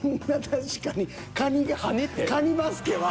確かに。